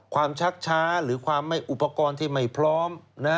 ความชักช้าหรืออุปกรณ์ที่ไม่พร้อม